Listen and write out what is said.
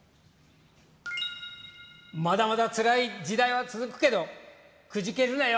まだまだつらい時代は続くけど、くじけるなよ。